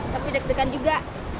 tapi deg degan juga